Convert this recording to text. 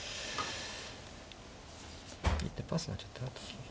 一手パスがちょっと。